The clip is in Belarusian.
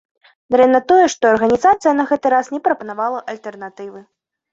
Дрэнна тое, што арганізацыя на гэты раз не прапанавала альтэрнатывы.